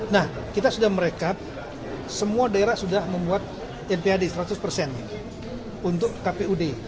nah kita sudah merekap semua daerah sudah membuat nphd seratus persen untuk kpud